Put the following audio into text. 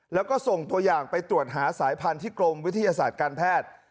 แล้วก็ส่งตัวอย่างไปตรวจหาสายพันธุ์ที่กรมวิทยาศาสตร์การแพทย์